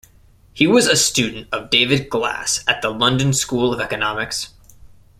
He was a student of David Glass at the London School of Economics.